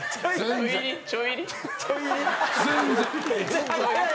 全然。